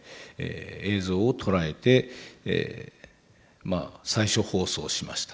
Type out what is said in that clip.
映像を捉えて最初放送しました。